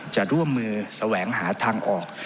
จะร่วมมือแสวงหาทางออก